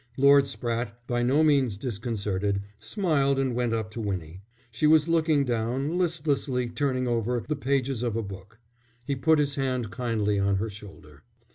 Lord Spratte, by no means disconcerted, smiled and went up to Winnie. She was looking down, listlessly turning over the pages of a book. He put his hand kindly on her shoulder.